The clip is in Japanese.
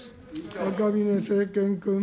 赤嶺政賢君。